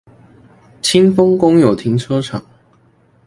清豐公有停車場